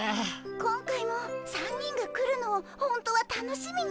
今回も３人が来るのをほんとは楽しみにしてて。